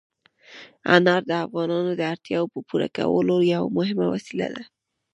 انار د افغانانو د اړتیاوو د پوره کولو یوه مهمه وسیله ده.